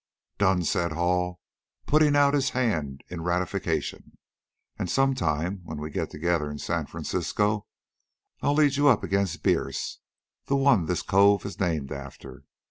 "Done," said Hall, putting out his hand in ratification. "And some time, when we get together in San Francisco, I'll lead you up against Bierce the one this cove is named after.